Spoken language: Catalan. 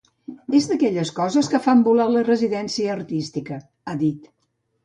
És d’aquelles coses que fan valorar la residència artística –ha dit–.